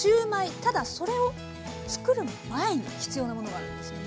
ただそれを作る前に必要なものがあるんですよね？